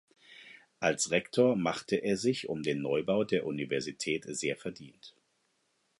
Als Rektor machte er sich um den Neubau der Universität sehr verdient.